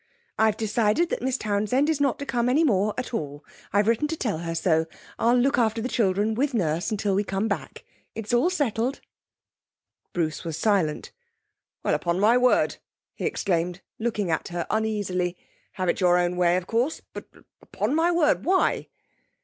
I've decided that Miss Townsend is not to come any more at all. I've written to tell her so. I'll look after the children with nurse until we come back.... It's all settled.' Bruce was silent. 'Well upon my word!' he exclaimed, looking at her uneasily. 'Have it your own way, of course but upon my word! Why?'